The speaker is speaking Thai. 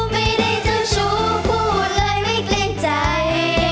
ไม่ได้เจ้าชู้พูดเลยไม่เกรงใจ